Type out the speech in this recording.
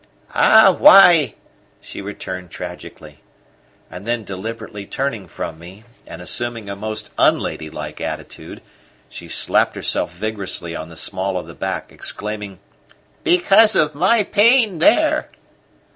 "Ah, why!" she returned tragically. And then deliberately turning from me and assuming a most unladylike attitude, she slapped herself vigorously on the small of the back, exclaiming: "Because of my pain here!"